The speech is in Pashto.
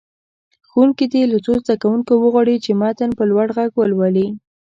ښوونکی دې له څو زده کوونکو وغواړي چې متن په لوړ غږ ولولي.